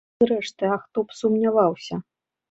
Зрэшты, а хто б сумняваўся?